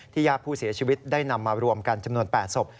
ญาติผู้เสียชีวิตได้นำมารวมกันจำนวน๘ศพ